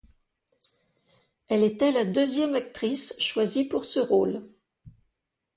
Elle était la deuxième actrice choisie pour ce rôle.